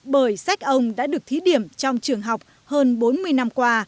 bởi sách ông đã được thí điểm trong trường học hơn bốn mươi năm qua